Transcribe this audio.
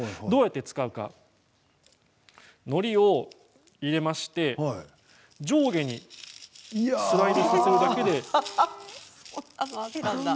どうやって使うかのりを入れまして上下にスライドさせるだけで。